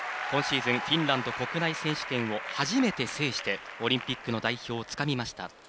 今シーズンフィンランド国内選手権を初めて制してオリンピックの代表をつかみました。